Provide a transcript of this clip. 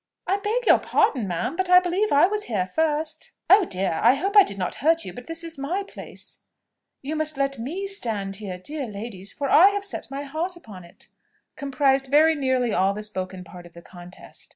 "I beg your pardon, ma'am, but I believe I was here first:" "Oh, dear! I hope I did not hurt you, but this is my place:" "You must let me stand here, dear ladies, for I have set my heart upon it:" comprised very nearly all the spoken part of the contest.